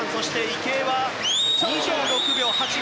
池江は２６秒８５。